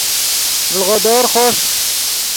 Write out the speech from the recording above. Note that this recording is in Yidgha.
ڤڑغودور خوݰ